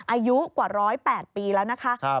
อายุกว่า๑๐๘ปีแล้วนะคะ